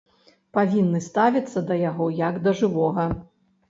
Павінны ставіцца да яго, як да жывога.